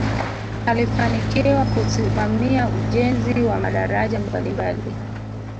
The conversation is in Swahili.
alifanikiwa kusimamia ujenzi wa madaraja mbalimbali